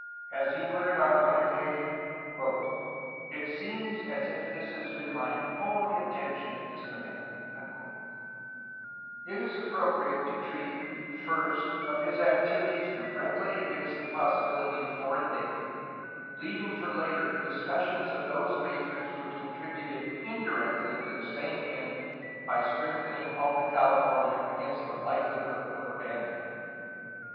As he put it on one occasion, "It seems as if this has been my only attention in this com mand." 276 A HISTORY OF CALIFORNIA It is appropriate to treat first of his activities directly against the possibiUty of foreign danger, leaving for later discussion those measures which contributed indirectly to the same end by strengthening Alta California against the likelihood of abandonment.